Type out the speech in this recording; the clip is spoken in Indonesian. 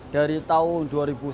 dari tahun dua ribu sebelas